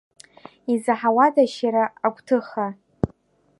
Изаҳауадашь иара агәҭыха?